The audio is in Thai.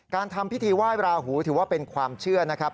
ทำพิธีไหว้ราหูถือว่าเป็นความเชื่อนะครับ